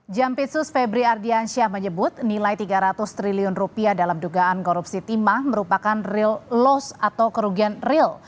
jampitsus febri ardiansyah menyebut nilai tiga ratus triliun rupiah dalam dugaan korupsi timah merupakan real loss atau kerugian real